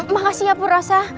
makasih ya purosa